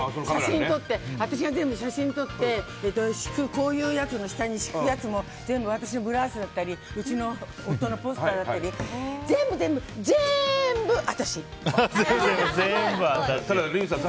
これで写真撮って私が全部写真撮ってこういうやつの下に敷くやつも全部、私のブラウスだったりうちの夫のポスターだったり全部全部全部、私！